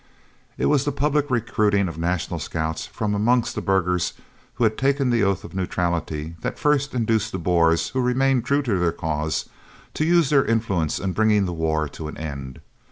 It was the public recruiting of National Scouts from amongst the burghers who had taken the oath of neutrality that first induced the Boers who remained true to their cause to use their influence in bringing the war to an end.